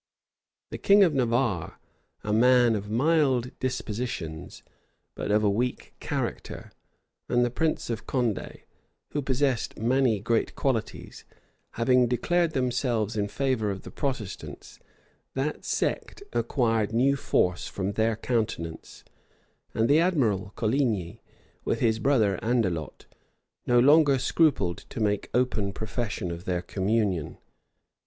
The king of Navarre, a man of mild dispositions, but of a weak character, and the prince of Condé, who possessed many great qualities, having declared themselves in favor of the Protestants, that sect acquired new force from their countenance; and the admiral, Coligny, with his brother Andelot, no longer scrupled to make open profession of their communion.